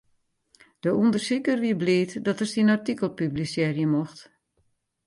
De ûndersiker wie bliid dat er syn artikel publisearje mocht.